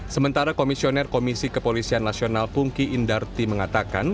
sementara komisioner komisi kepolisian nasional pungki indarti mengatakan